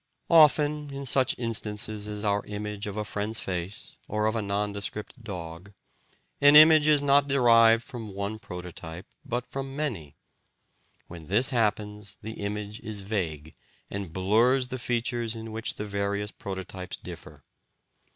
Often, in such instances as our image of a friend's face or of a nondescript dog, an image is not derived from one prototype, but from many; when this happens, the image is vague, and blurs the features in which the various prototypes differ.